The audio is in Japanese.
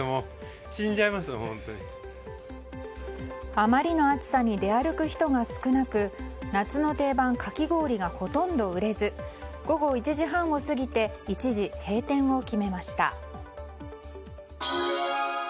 あまりの暑さに出歩く人が少なく夏の定番、かき氷がほとんど売れず午後１時半を過ぎて一時閉店を決めました。